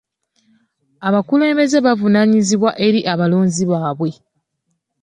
Abakulembeze bavunaanyizibwa eri abaloonzi baabwe .